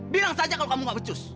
bilang saja kalau kamu gak becus